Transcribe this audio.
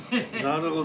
なるほど。